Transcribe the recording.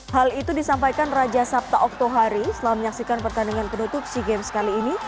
hal itu disampaikan raja sabta oktohari setelah menyaksikan pertandingan penutup sea games kali ini